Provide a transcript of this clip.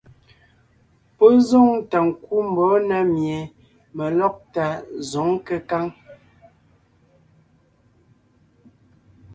Pɔ́ zoŋ tà ńkú mbɔ̌ na mie melɔ́gtà zǒŋ kékáŋ.